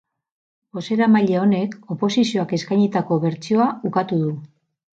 Bozeramaile honek oposizioak eskainitako bertsioa ukatu du.